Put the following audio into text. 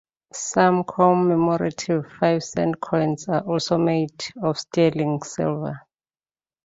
Some commemorative five cent coins are also made of sterling silver.